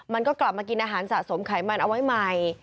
มันก็กลับมากินอาหารสะสมไขมันเอาไว้ใหม่